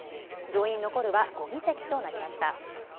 上院、残るは５議席となりました。